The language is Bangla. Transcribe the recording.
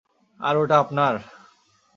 আর ওটা আপনার?